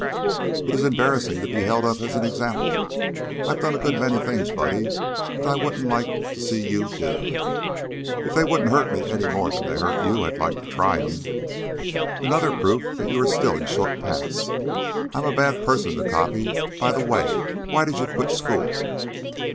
"Ahem! It is embarrassing to be held up as an example. I've done a good many things, Buddy, that I wouldn't like to see you do." "If they wouldn't hurt me any more 'n they've hurt you I'd like to try'em." "Another proof that you are still in short pants. I'm a bad person to copy. By the way, why did you quit school?"